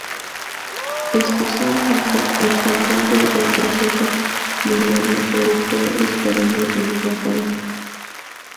Especialmente, el control del retroceso del arma sobre todo disparando en ráfaga.